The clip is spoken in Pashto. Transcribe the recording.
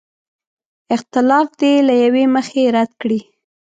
اختلاف دې له یوې مخې رد کړي.